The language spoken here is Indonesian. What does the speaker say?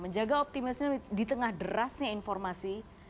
menjaga optimisme di tengah derasnya informasi